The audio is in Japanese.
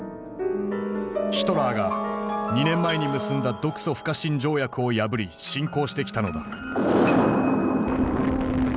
ヒトラーが２年前に結んだ独ソ不可侵条約を破り侵攻してきたのだ。